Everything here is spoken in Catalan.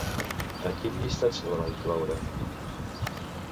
A quin llistat se la va incloure?